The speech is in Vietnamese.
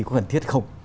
có cần thiết không